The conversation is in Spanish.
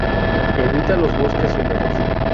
Evita los bosques húmedos.